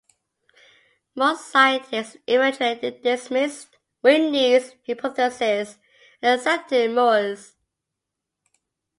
Most scientists eventually dismissed Whitney's hypothesis and accepted Muir's.